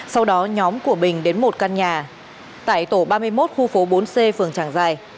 sau đó nhóm của bình đến một căn nhà tại tổ ba mươi một khu phố bốn c phường tràng giài